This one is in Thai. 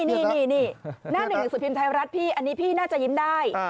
นี่หน้าหนึ่งหนังสือพิมพ์ไทยรัฐพี่อันนี้พี่น่าจะยิ้มได้